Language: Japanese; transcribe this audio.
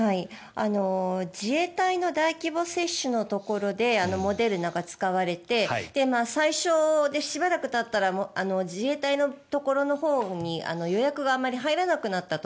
自衛隊の大規模接種のところでモデルナが使われて最初でしばらくたったら自衛隊のところのほうに予約があまり入らなくなったと。